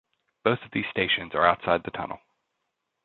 Both of these stations are outside the tunnel.